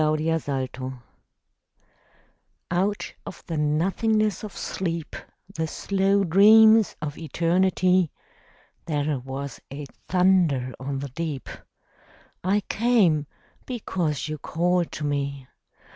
The Call Out of the nothingness of sleep, The slow dreams of Eternity, There was a thunder on the deep: I came, because you called to me.